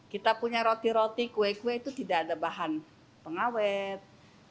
kita punya roti roti kue kue itu tidak ada bahan pengawet